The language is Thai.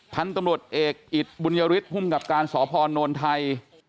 ท่านตำรวจเอกอิตบุญยฤทธิ์ภูมิกับการสอบภอนโนนไทย